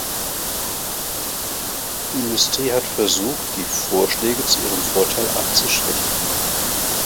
Die Industrie hat versucht, die Vorschläge zu ihrem Vorteil abzuschwächen.